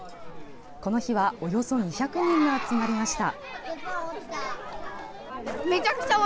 この日はおよそ２００人が集まりました。